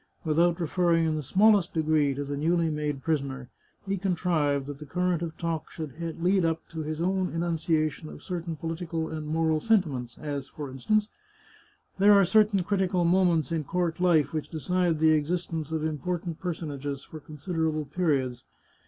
Without referring in the smallest degree to the newly made prisoner, he contrived that the current of talk should lead up to his own enunciation of certain political and moral sen timents, as, for instance :" There are certain critical mo ments in court life which decide the existence of important personages for considerable periods.